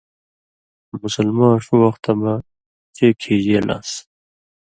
مُسلماں ݜُو وختہ مہ چے کھیژېل آن٘س،